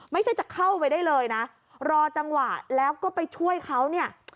ไม่ใช่จะเข้าไปได้เลยนะรอจังหวะแล้วก็ไปช่วยเขาเนี่ย